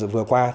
vừa qua thì